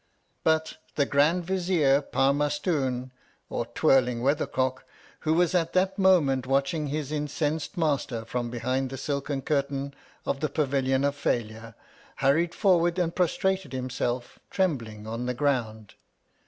But, the Grand Vizier Parmarstoon (or Twirling Weathercock), who was at that moment watching his incensed master from behind the silken curtains of the Pavilion of Failure, hurried forward and prostrated him self, trembling, on the ground.